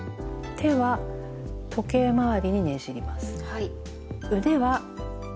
腕は反時計回りにねじります。